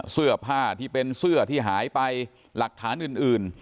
เสื้อผ้าที่เป็นเสื้อที่หายไปหลักฐานอื่น